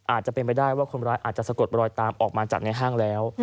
อาจจะเป็นไปได้ว่าคนร้ายอาจจะสะกดรอยตามออกมาจากในห้างแล้ว